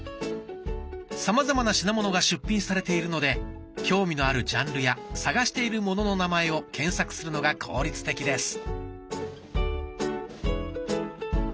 さまざまな品物が出品されているので興味のあるジャンルや探しているものの名前を検索するのが効率的です。